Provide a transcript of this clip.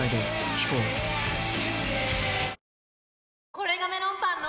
これがメロンパンの！